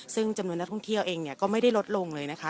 ซึ่งจำนวนนักท่องเที่ยวเองก็ไม่ได้ลดลงเลยนะคะ